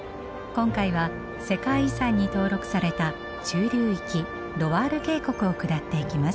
今回は世界遺産に登録された中流域ロワール渓谷を下っていきます。